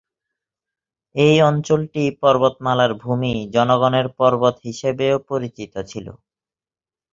এই অঞ্চলটি "পর্বতমালার ভূমি" "জনগণের পর্বত" হিসেবেও পরিচিত ছিল।